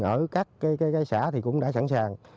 ở các xã thì cũng đã sẵn sàng